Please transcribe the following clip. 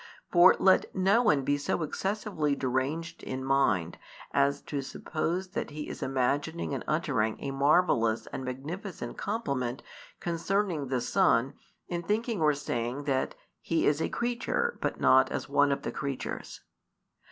For let no one be so excessively deranged in mind as to suppose that he is imagining and uttering a marvellous and magnificent compliment concerning the Son in thinking or saying that "He is a creature, but not as one of the creatures."